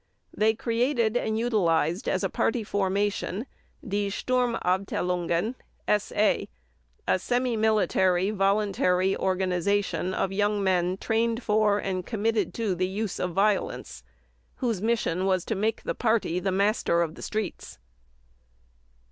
They created and utilized, as a Party formation, Die Sturmabteilungen (SA), a semi military, voluntary organization of young men trained for and committed to the use of violence, whose mission was to make the Party the master of the streets.